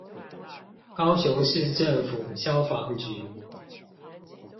高雄市政府消防局